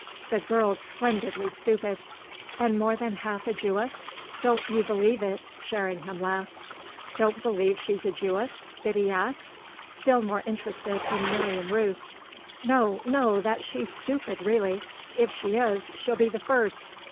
The girl's splendidly stupid." "And more than half a Jewess? Don't you believe it!" Sherringham laughed. "Don't believe she's a Jewess?" Biddy asked, still more interested in Miriam Rooth. "No, no that she's stupid, really. If she is she'll be the first."